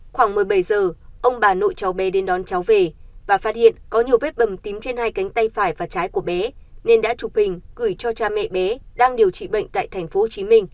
khoảng một mươi bảy giờ ông bà nội cháu bé đến đón cháu về và phát hiện có nhiều vết bầm tím trên hai cánh tay phải và trái của bé nên đã chụp hình gửi cho cha mẹ bé đang điều trị bệnh tại tp hcm